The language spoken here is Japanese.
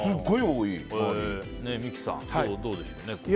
三木さん、どうでしょう。